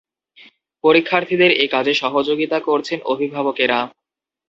পরীক্ষার্থীদের এ কাজে সহযোগিতা করছেন অভিভাবকেরা।